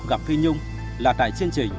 gặp phi nhung là tại chương trình